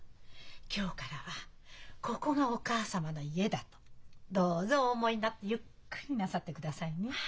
今日からはここがお母様の家だとどうぞお思いになってゆっくりなさってくださいね。